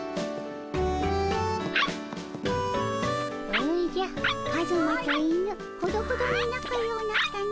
おじゃカズマと犬ほどほどに仲ようなったの。